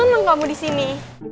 aku seneng kamu di sini